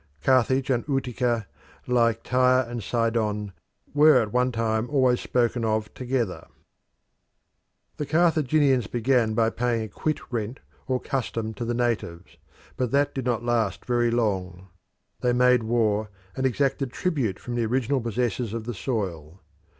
Carthage and Utica, like Tyre and Sidon, were at one time always spoken of together. The Carthaginians began by paying a quit rent or custom to the natives, but that did not last very long; they made war, and exacted tribute from the original possessors of the soil.